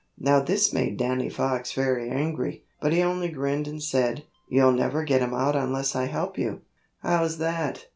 Now this made Danny Fox very angry, but he only grinned and said: "You'll never get him out unless I help you." "How's that?"